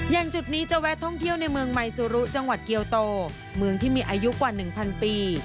อย่างจุดนี้จะแวะท่องเที่ยวในเมืองไมซูรุจังหวัดเกียวโตเมืองที่มีอายุกว่า๑๐๐ปี